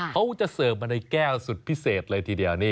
เขาจะเสิร์ฟมาในแก้วสุดพิเศษเลยทีเดียว